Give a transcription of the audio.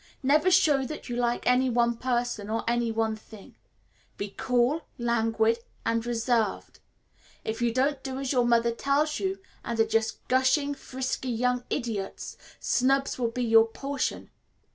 Never show that you like any one person, or any one thing. Be cool, languid, and reserved. If you don't do as your mother tells you and are just gushing, frisky, young idiots, snubs will be your portion.